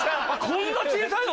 こんな小さいの？